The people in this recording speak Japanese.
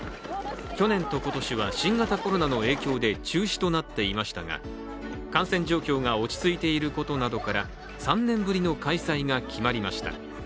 去年と今年は新型コロナの影響で中止となっていましたが感染状況が落ち着いていることなどから３年ぶりの開催が決まりました。